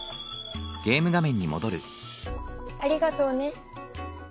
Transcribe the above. ありがとうね。